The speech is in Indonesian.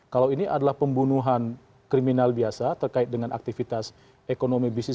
kalau ini adalah pembunuhan kriminal biasa terkait dengan aktivitas ekonomi bisnis